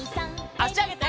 あしあげて。